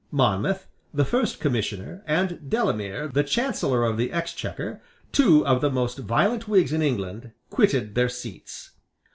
Monmouth, the First Commissioner, and Delamere, the Chancellor of the Exchequer, two of the most violent Whigs in England, quitted their seats.